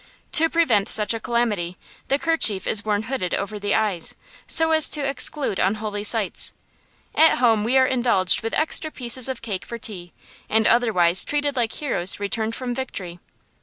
To prevent such a calamity, the kerchief is worn hooded over the eyes, so as to exclude unholy sights. At home we are indulged with extra pieces of cake for tea, and otherwise treated like heroes returned from victory.